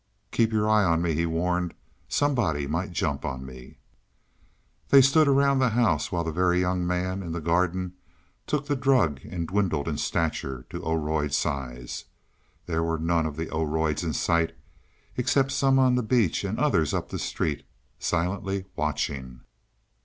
"Keep your eye on me," he warned. "Somebody might jump on me." They stood around the house, while the Very Young Man, in the garden, took the drug and dwindled in stature to Oroid size. There were none of the Oroids in sight, except some on the beach and others up the street silently watching.